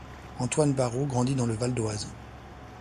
Antoine Barrau grandit dans le Val-d'Oise.